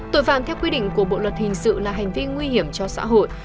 tội phạm theo quy định của bộ luật hình sự là hành vi nguy hiểm cho xã hội